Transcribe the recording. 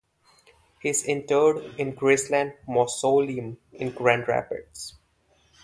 He is interred in Graceland Mausoleum in Grand Rapids.